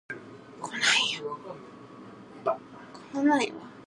Else's relationship with her son can be described as "narcissistic enmeshment".